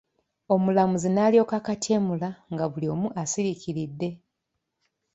Omulamuzi n’alyoka akatyemula nga buli omu asiriikiridde.